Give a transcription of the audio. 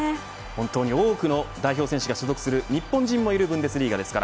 本当に多くの代表選手が所属する、日本人もいるブンデスリーガです。